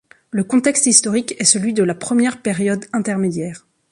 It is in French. Le contexte historique est celui de la Première Période intermédiaire.